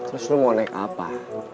terus lo mau naik apa